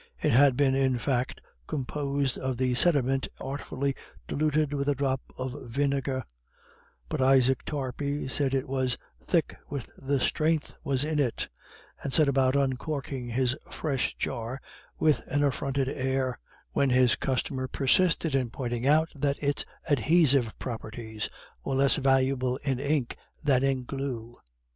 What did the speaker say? It had been, in fact, composed of "the sidimint" artfully diluted with a drop of vinegar; but Isaac Tarpey said it was "thick wid the stren'th was in it," and set about uncorking his fresh jar with an affronted air, when his customer persisted in pointing out that its adhesive properties were less valuable in ink than in glue.